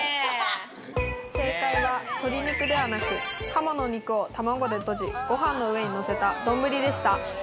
正解は鶏肉ではなく、鴨の肉を卵でとじ、ご飯の上にのせた丼でした。